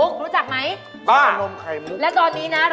คุณหลวง